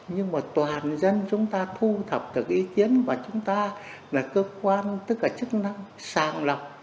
nhưng mà toàn dân chúng ta thu thập được ý kiến và chúng ta là cơ quan tức là chức năng sàng lọc